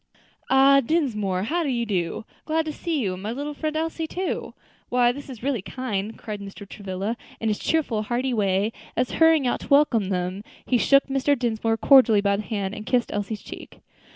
"Ah! Dinsmore, how do you do? Glad to see you, and my little friend Elsie, too. Why this is really kind," cried Mr. Travilla, in his cheerful, hearty way, as, hurrying out to welcome them, he shook Mr. Dinsmore cordially by the hand, and kissed Elsie's cheek.